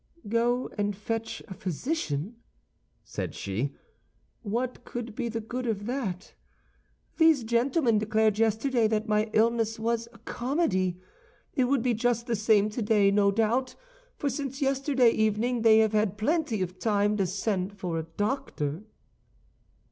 "Go and fetch a physician?" said she. "What could be the good of that? These gentlemen declared yesterday that my illness was a comedy; it would be just the same today, no doubt—for since yesterday evening they have had plenty of time to send for a doctor."